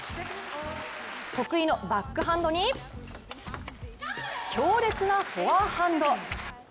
得意のバックハンドに強烈なフォアハンド。